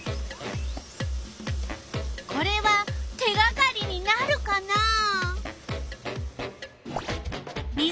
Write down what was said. これは手がかりになるかな？